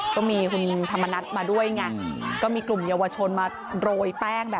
ที่มีการเชิญพักพลังประชารัฐมา